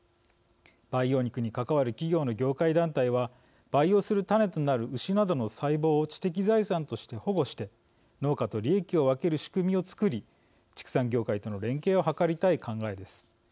培養肉に関わる企業の業界団体は培養するタネとなる牛などの細胞を知的財産として保護して農家と利益を分ける仕組みを作り畜産業界との連携を図りたい考えです。